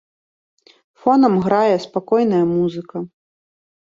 Фонам грае спакойная музыка.